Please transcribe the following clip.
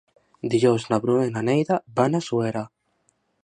Dijous na Bruna i na Neida van a Suera.